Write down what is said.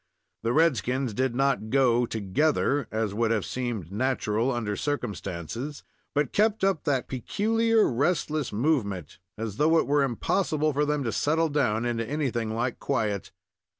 The red skins did not go together, as would have seemed natural under circumstances, but kept up that peculiar restless movement, as though it were impossible for them to settle down into anything like quiet.